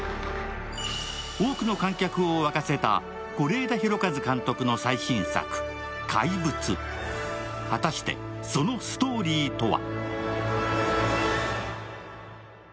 多くの観客を沸かせた是枝裕和監督の最新作「怪物」。果たしてそのストーリーとは？